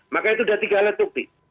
maka itu sudah tiga alat bukti